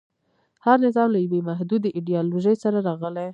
هر نظام له یوې محدودې ایډیالوژۍ سره راغلی.